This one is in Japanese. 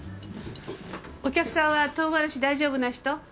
お客さんは唐辛子大丈夫な人？